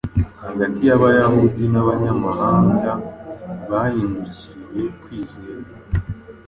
hagati y’Abayahudi n’abanyamahanga bahindukiriye kwizera.